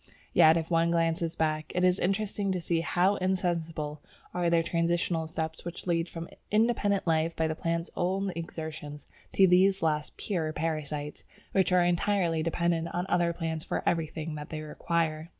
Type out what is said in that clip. Yet if one glances back, it is interesting to see how insensible are the transitional steps which lead from independent life by the plant's own exertions to these last "pure parasites," which are entirely dependent on other plants for everything that they require.